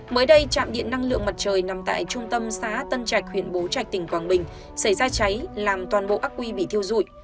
mới đây trạm điện năng lượng mặt trời nằm tại trung tâm xã tân trạch huyện bố trạch tỉnh quảng bình xảy ra cháy làm toàn bộ ác quy bị thiêu dụi